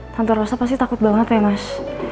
tante rosa pasti takut banget ya mas